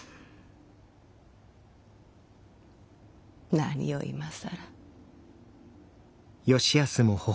何を今更。